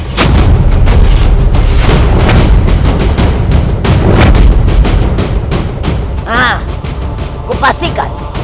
nah aku pastikan